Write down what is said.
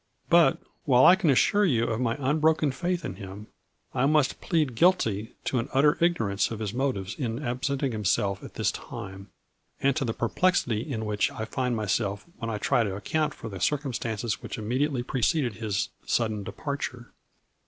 " But, while I can assure you of my unbroken faith in him, I must plead guilty to an utter ignorance of his motives in absenting himself at this time, and to the perplexity in which I find myself when I try to account for the circumstances which immedi ately preceded his sudden departure.